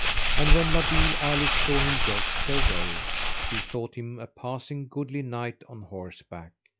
And when La Beale Alice saw him joust so well, she thought him a passing goodly knight on horseback.